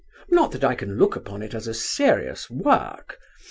Not that I can look upon it as a serious work.